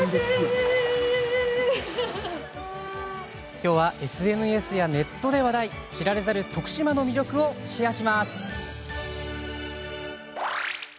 きょうはＳＮＳやネットで話題知られざる徳島の魅力をシェアします。